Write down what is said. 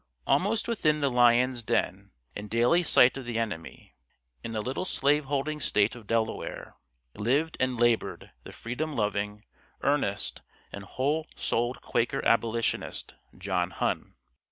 Almost within the lions' den, in daily sight of the enemy, in the little slave holding State of Delaware, lived and labored the freedom loving, earnest and whole souled Quaker abolitionist, John Hunn.